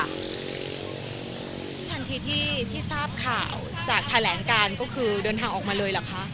ทันทีที่ทราบข่าวจากแถลงการก็คือเดินทางออกมาเลยเหรอคะ